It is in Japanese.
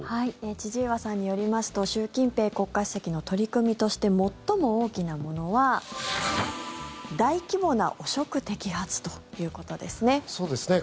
千々岩さんによりますと習近平国家主席の取り組みとして最も大きなものは大規模な汚職摘発ということですね。